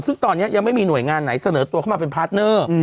ซึ่งตอนนี้ยังไม่มีหน่วยงานไหนเสนอตัวเข้ามาเป็นพาร์ทเนอร์